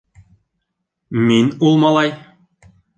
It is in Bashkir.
Мин ул малай!